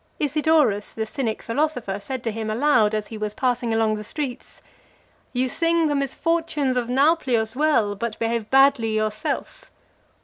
Isidorus, the Cynic philosopher, said to him aloud, as he was passing along the streets, "You sing the misfortunes of Nauplius well, but behave badly yourself."